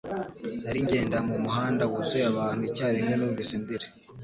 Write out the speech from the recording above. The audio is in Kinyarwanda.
Nari ngenda mu muhanda wuzuye abantu icyarimwe numvise ndira